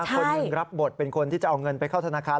คนหนึ่งรับบทเป็นคนที่จะเอาเงินไปเข้าธนาคาร